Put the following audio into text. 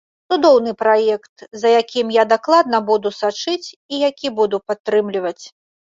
Цудоўны праект, за якім я дакладна буду сачыць і які буду падтрымліваць.